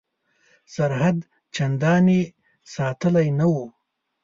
سرحد چنداني ساتلی نه وو.